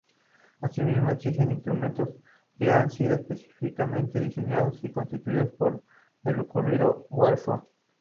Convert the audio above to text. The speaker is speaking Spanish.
Asimismo, existen instrumentos que han sido específicamente diseñados y construidos para el currículo Waldorf.